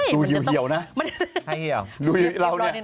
รู้เยี่ยวเหี่ยวนะ